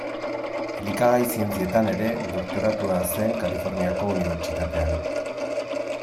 Elikagai Zientzietan ere doktoratu zen Kaliforniako Unibertsitatean.